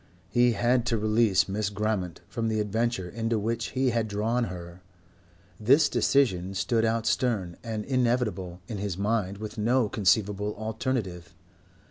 He had to release Miss Grammont from the adventure into which he had drawn her. This decision stood out stern and inevitable in his mind with no conceivable alternative.